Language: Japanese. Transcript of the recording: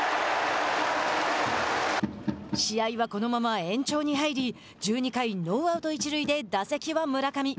試合はこのまま延長に入り１２回、ノーアウト、一塁で打席は村上。